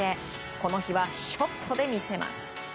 この日は、ショットで魅せます。